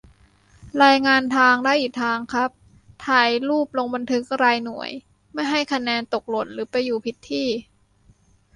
รายงานทาง ได้อีกทางครับ ถ่ายรูป ลงบันทึกรายหน่วย ไม่ให้คะแนนตกหล่นหรือไปอยู่ผิดที่